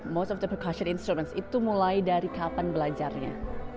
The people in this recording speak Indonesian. most of the procure instrumence itu mulai dari kapan belajarnya